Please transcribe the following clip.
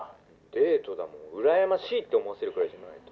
「デートだもん羨ましいって思わせるぐらいじゃないと」